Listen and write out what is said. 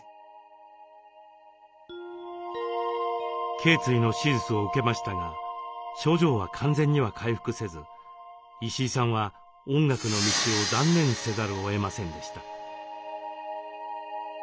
頸椎の手術を受けましたが症状は完全には回復せず石井さんは音楽の道を断念せざるをえませんでした。